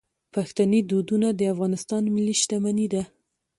پښتني دودونه د افغانستان ملي شتمني ده.